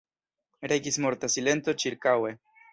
Regis morta silento ĉirkaŭe.